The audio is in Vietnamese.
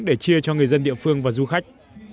để chia cho người dân địa phương và du khách